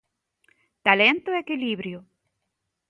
Talento e equilibrio.